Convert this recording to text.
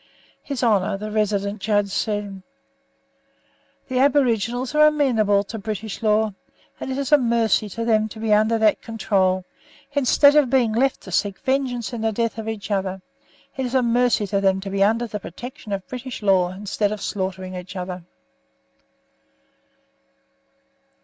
His Honor the Resident Judge said: "The aboriginals are amenable to British law, and it is a mercy to them to be under that control, instead of being left to seek vengeance in the death of each other; it is a mercy to them to be under the protection of British law, instead of slaughtering each other."